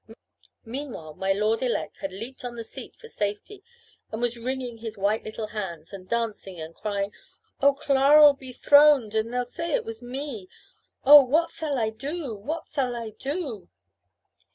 Meanwhile my lord elect had leaped on the seat for safety, and was wringing his white little hands, and dancing and crying, "Oh, Clara'll be throwned, and they'll say it was me. Oh, what thall I do! what thall I do!"